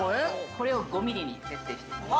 ◆これを５ミリに設定しています。